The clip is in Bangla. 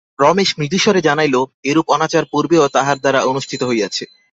রমেশ মৃদুস্বরে জানাইল, এরূপ অনাচার পূর্বেও তাহার দ্বারা অনুষ্ঠিত হইয়াছে।